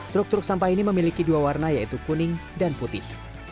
truk truk sampah ini memiliki dua warna yaitu kuning dan putih